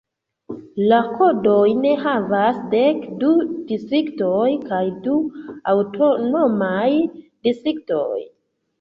La kodojn havas dek du distriktoj kaj du aŭtonomaj distriktoj.